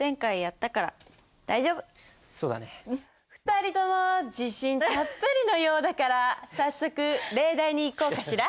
２人とも自信たっぷりのようだから早速例題にいこうかしら。